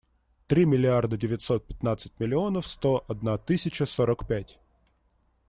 Три миллиарда девятьсот пятнадцать миллионов сто одна тысяча сорок пять.